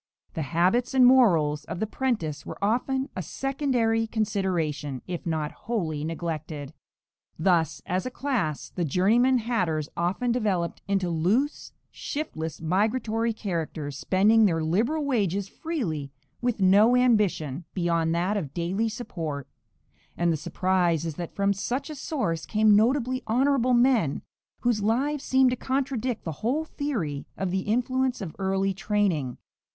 The habits and morals of the "'prentice" were often a secondary consideration, if not wholly neglected. Thus, as a class, the journeyman hatters often developed into loose, shiftless, migratory characters, spending their liberal wages freely, with no ambition beyond that of daily support; and the surprise is that from such a source came notably honorable men, whose lives seemed to contradict the whole theory of the influence of early training.